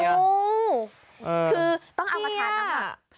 คือต้องเอามาทานน้ำมัก